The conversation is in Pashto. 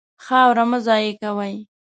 خاوره مه ضایع کوئ.